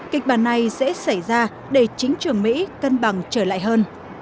kịch bản này sẽ xảy ra để chính trường mỹ cân bằng trở lại hơn